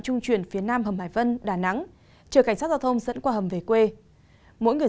trung chuyển phía nam hầm hải vân đà nẵng chờ cảnh sát giao thông dẫn qua hầm về quê mỗi người